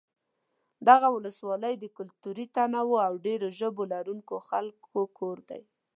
دغه ولسوالۍ د کلتوري تنوع او ډېر ژبو لرونکو خلکو کور دی.